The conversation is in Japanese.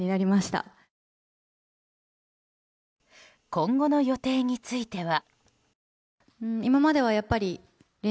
今後の予定については。